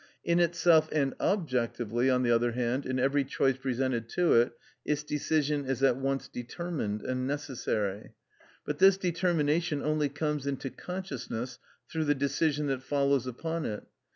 In itself and objectively, on the other hand, in every choice presented to it, its decision is at once determined and necessary. But this determination only comes into consciousness through the decision that follows upon it.